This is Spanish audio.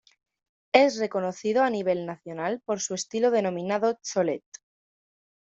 Es reconocido a nivel nacional por su estilo denominado cholet.